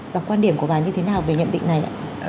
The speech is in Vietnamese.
và quan điểm của bà như thế nào về nhận định này ạ